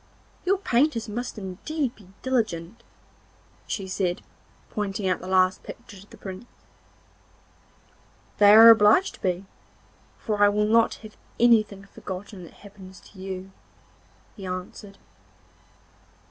'Your painters must indeed be diligent,' she said, pointing out the last picture to the Prince. 'They are obliged to be, for I will not have anything forgotten that happens to you,' he answered.